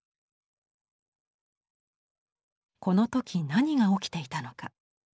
この時何が起きていたのか。